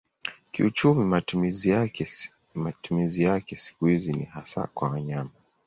Kiuchumi matumizi yake siku hizi ni hasa kwa nyama.